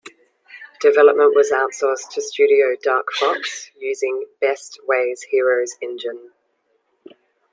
Development was outsourced to studio Dark Fox, using Best Way's Heroes engine.